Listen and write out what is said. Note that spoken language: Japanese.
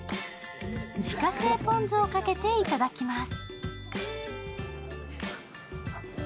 自家製ポン酢をかけていただきます。